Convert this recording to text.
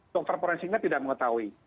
jadi dr forensiknya tidak mengetahui